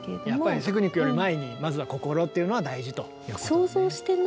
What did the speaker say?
やっぱりテクニックより前にまずは心というのが大事と。と思って。